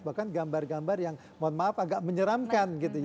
bahkan gambar gambar yang mohon maaf agak menyeramkan